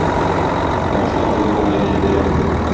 Башта олы малайны җибәрә бу.